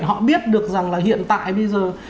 họ biết được rằng là hiện tại bây giờ